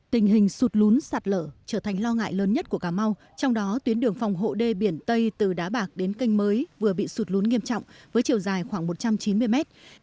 tình hình sụt lún sạt lở trở thành lo ngại lớn nhất của cà mau trong đó tuyến đường phòng hộ đê biển tây từ đá bạc đến canh mới vừa bị sụt lún nghiêm trọng với chiều dài khoảng một trăm chín mươi mét